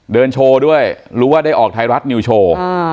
เดินโชว์ด้วยรู้ว่าได้ออกไทยรัฐนิวโชว์